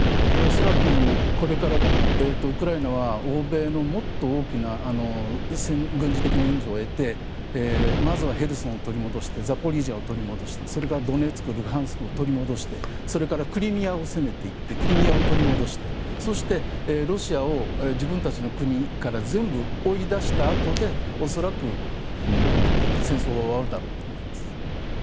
恐らくこれからウクライナは欧米のもっと大きな軍事的な援助を得てまずはヘルソンを取り戻してザポリージャを取り戻してそれからドネツク、ルハンシクを取り戻してそれからクリミアを攻めていってクリミアを取り戻してそして、ロシアを自分たちの国から全部追い出したあとで恐らく、戦争は終わるだろうと思います。